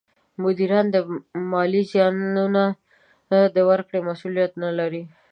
مدیران د مالي زیانونو د ورکړې مسولیت نه لري.